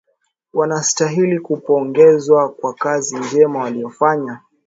Wanastahili kupongezwa kwa kazi njema waliofaya.